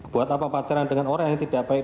buat apa pacaran dengan orang yang tidak baik